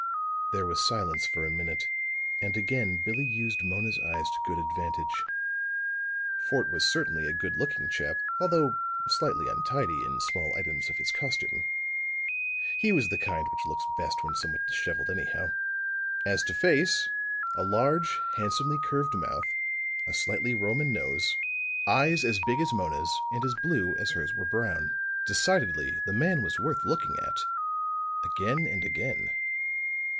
There was silence for a minute, and again Billie used Mona's eyes to good advantage. Fort was certainly a good looking chap, although slightly untidy in small items of his costume. He was the kind which looks best when somewhat disheveled, anyhow. As to face a large, handsomely curved mouth, a slightly Roman nose, eyes as big as Mona's and as blue as hers were brown. Decidedly, the man was worth looking at, again and again.